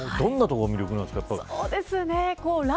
どんなところが魅力なんですか。